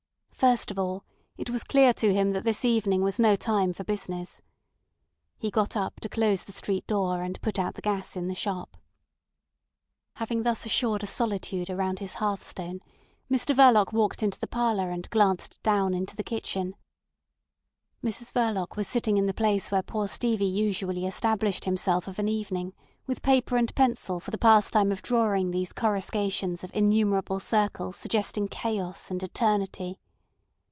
First of all, it was clear to him that this evening was no time for business. He got up to close the street door and put the gas out in the shop. Having thus assured a solitude around his hearthstone Mr Verloc walked into the parlour, and glanced down into the kitchen. Mrs Verloc was sitting in the place where poor Stevie usually established himself of an evening with paper and pencil for the pastime of drawing these coruscations of innumerable circles suggesting chaos and eternity.